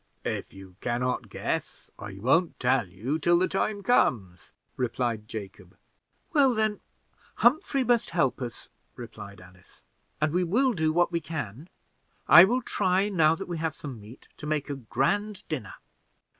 "If you can not guess, I won't tell you till the time comes," replied Jacob. "Well then, Humphrey must help us," replied Alice, "and we will do what we can. I will try, now that we have some meat, to make a grand dinner."